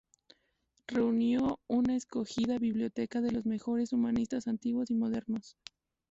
Reunió una escogida biblioteca de los mejores humanistas antiguos y modernos.